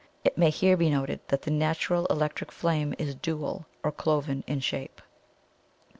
It may here be noted that the natural electric flame is DUAL or 'cloven' in shape.